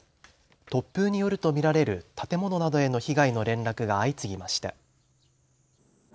突風によると見られる建物などへの被害の連絡が相次ぎました。